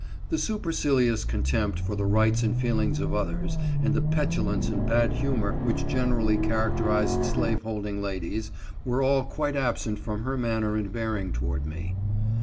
The supercilious contempt for the rights and feelings of others, and the petulance and bad humor which generally characterized slaveholding ladies, were all quite absent from her manner and bearing toward me.